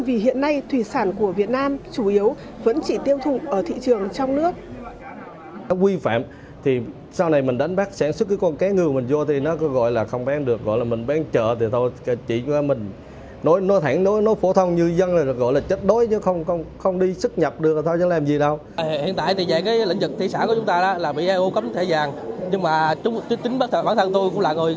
vì hiện nay thủy sản của việt nam chủ yếu vẫn chỉ tiêu thụ ở thị trường trong nước